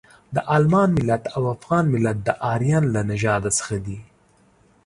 د المان ملت او افغان ملت د ارین له نژاده څخه دي.